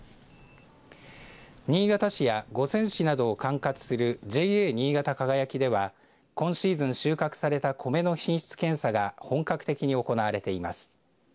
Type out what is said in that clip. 新潟市や五泉市などを管轄するＪＡ新潟かがやきでは今シーズン収穫されたコメの品質検査が本格的に行われています。